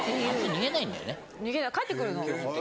逃げない帰ってくるの。